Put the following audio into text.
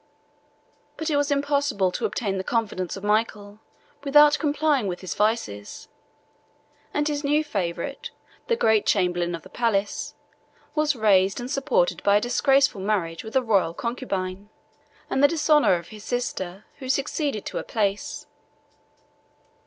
But it was impossible to obtain the confidence of Michael, without complying with his vices; and his new favorite, the great chamberlain of the palace, was raised and supported by a disgraceful marriage with a royal concubine, and the dishonor of his sister, who succeeded to her place.